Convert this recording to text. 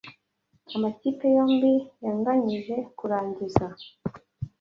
Amakipe yombi yanganyije kurangiza.